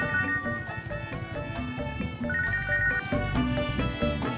emangnya mau ke tempat yang sama